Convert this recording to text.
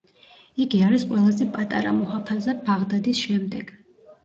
იგი არის ყველაზე პატარა მუჰაფაზა ბაღდადის შემდეგ.